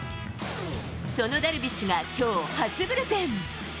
そのダルビッシュがきょう、初ブルペン。